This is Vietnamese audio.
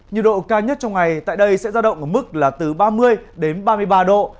nhiệt độ cao nhất trong ngày tại đây sẽ giao động ở mức là từ ba mươi đến ba mươi ba độ